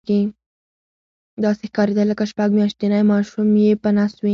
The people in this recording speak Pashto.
داسې ښکارېدل لکه شپږ میاشتنی ماشوم یې په نس وي.